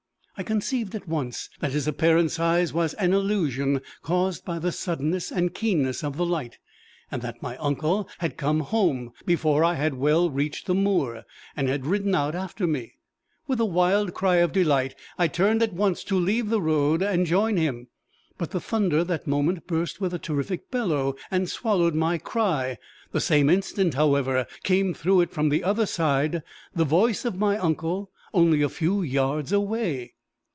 I conceived at once that his apparent size was an illusion caused by the suddenness and keenness of the light, and that my uncle had come home before I had well reached the moor, and had ridden out after me. With a wild cry of delight, I turned at once to leave the road and join him. But the thunder that moment burst with a terrific bellow, and swallowed my cry. The same instant, however, came through it from the other side the voice of my uncle only a few yards away.